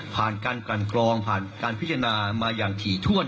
ผ่านการกลั่นกรองผ่านการพิจารณามาอย่างถี่ถ้วน